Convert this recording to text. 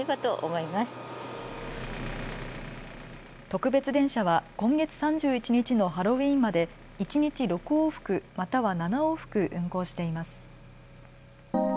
特別電車は今月３１日のハロウィーンまで一日６往復、または７往復運行しています。